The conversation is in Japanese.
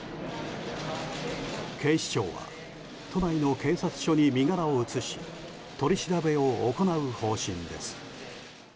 警視庁は都内の警察署に身柄を移し取り調べを行う方針です。